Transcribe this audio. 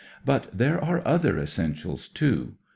But there are other essentials, too.